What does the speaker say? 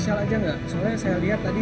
ya memang dia orang baik tapi